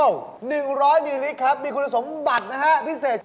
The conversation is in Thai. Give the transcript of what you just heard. ๑๐๐มิลลิลิตรครับมีคุณสมบัตินะฮะพิเศษ